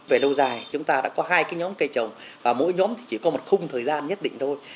về lâu dài chúng ta đã có hai cái nhóm cây trồng và mỗi nhóm thì chỉ có một khung thời gian nhất định thôi